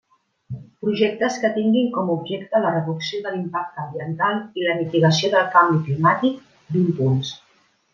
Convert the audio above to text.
Projectes que tinguin com objecte la reducció de l'impacte ambiental i la mitigació del canvi climàtic, vint punts.